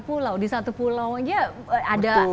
pulau di satu pulau aja ada